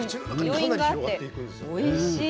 余韻があっておいしい。